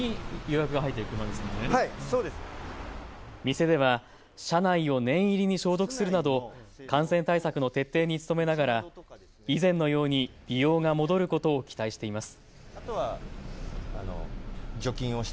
店では車内を念入りに消毒するなど、感染対策の徹底に努めながら以前のように利用が戻ることを期待しています。